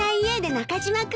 ・中島君！